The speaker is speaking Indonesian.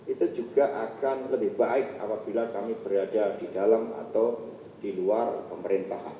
itu juga akan lebih baik apabila kami berada di dalam atau di luar pemerintahan